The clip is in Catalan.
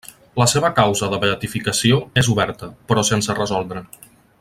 La seva causa de beatificació és oberta, però sense resoldre.